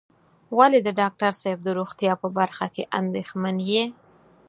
ولې د ډاکټر صاحب د روغتيا په برخه کې اندېښمن یې.